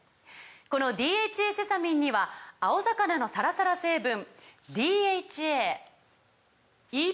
この「ＤＨＡセサミン」には青魚のサラサラ成分ＤＨＡＥＰＡ